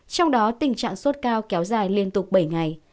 trong đó tình trạng sốt cao kéo dài liên tục bảy ngày